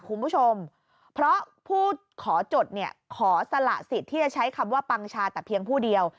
คุณผู้ชมเพราะผู้ขอจดเนี่ยขอสละสิทธิ์ที่จะใช้คำว่าปังชาแต่เพียงผู้เดียว